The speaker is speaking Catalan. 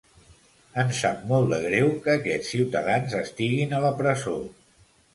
Em sap molt de greu que aquests ciutadans estiguin a la presó.